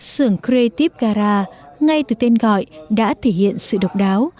xưởng creative garage ngay từ tên gọi đã thể hiện sự độc đáo